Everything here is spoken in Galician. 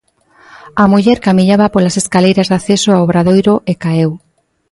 A muller camiñaba polas escaleiras de acceso ao Obradoiro e caeu.